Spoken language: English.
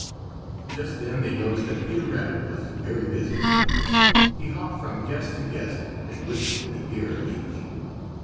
Just then they noticed that Peter Rabbit was very busy. He hopped from guest to guest and whispered in the ear of each.